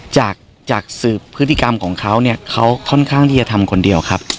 จากจากสืบพฤติกรรมของเขาเนี่ยเขาค่อนข้างที่จะทำคนเดียวครับ